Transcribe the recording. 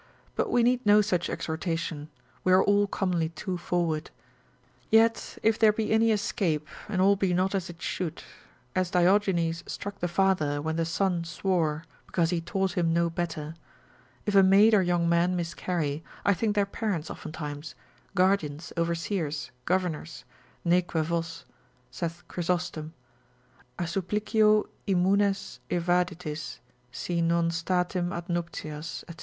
But we need no such exhortation, we are all commonly too forward: yet if there be any escape, and all be not as it should, as Diogenes struck the father when the son swore, because he taught him no better, if a maid or young man miscarry, I think their parents oftentimes, guardians, overseers, governors, neque vos (saith Chrysostom) a supplicio immunes evadetis, si non statim ad nuptias, &c.